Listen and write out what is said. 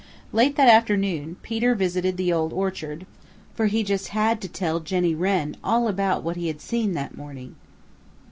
Late that afternoon Peter visited the Old Orchard, for he just had to tell Jenny Wren all about what he had seen that morning.